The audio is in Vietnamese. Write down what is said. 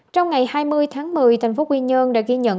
trong ngày hai mươi tháng một mươi thành phố quy nhơn đã ghi nhận